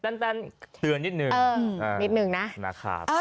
แปนแปนเตือนนิดหนึ่งนิดหนึ่งนะ